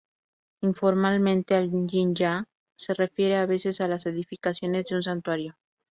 Informalmente, al "jinja" se refiere a veces a las edificaciones de un santuario.